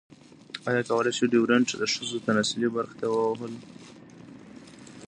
ایا کولی شو ډیوډرنټ د ښځو تناسلي برخو ته ووهلو؟